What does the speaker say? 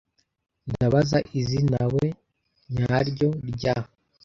Ndabaza izinawe nyaryo rya .